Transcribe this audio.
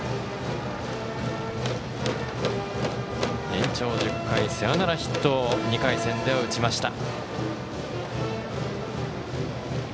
延長１０回サヨナラヒットを２回戦では打ちました。